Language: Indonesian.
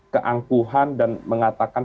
keangkuhan dan mengatakan